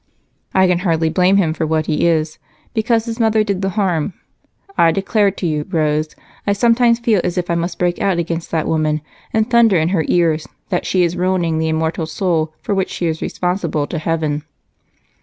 I can hardly blame him for what he is, because his mother did the harm. I declare to you, Rose, I sometimes feel as if I must break out against that woman and thunder in her ears that she is ruining the immortal soul for which she is responsible to heaven!"